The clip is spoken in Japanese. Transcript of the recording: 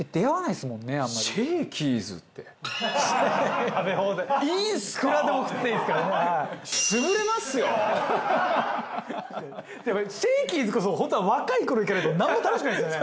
でもシェーキーズこそ本当は若い頃行かないとなんも楽しくないですよね。